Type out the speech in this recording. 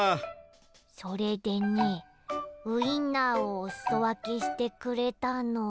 それでねウインナーをおすそわけしてくれたの。